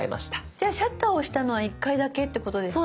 じゃあシャッターを押したのは１回だけってことですか？